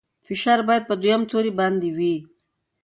فشار باید په دویم توري باندې وي.